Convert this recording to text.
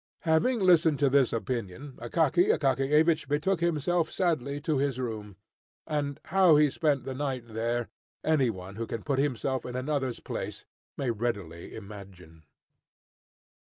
Having listened to this opinion, Akaky Akakiyevich betook himself sadly to his room. And how he spent the night there, any one who can put himself in another's place may readily imagine.